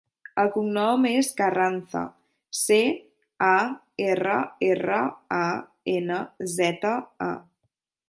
El cognom és Carranza: ce, a, erra, erra, a, ena, zeta, a.